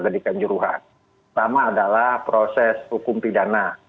pertama adalah proses hukum pidana